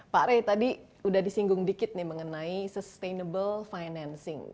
pak rey tadi sudah disinggung sedikit mengenai sustainable financing